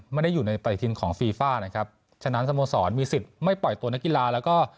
ไม่ได้อยู่ในปฏิทินของฟีฟ่านะครับฉะนั้นสโมสรมีสิทธิ์ไม่ปล่อยตัวนักกีฬาแล้วก็